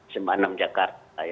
sma enam jakarta ya